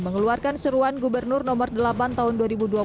mengeluarkan seruan gubernur nomor delapan tahun dua ribu dua puluh